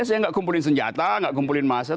saya enggak kumpulin senjata enggak kumpulin masa